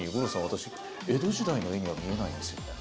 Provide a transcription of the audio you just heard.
私江戸時代の絵には見えないんですよね。